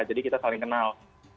jadi kita saling kenal